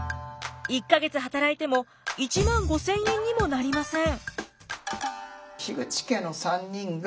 １か月働いても１万５，０００円にもなりません。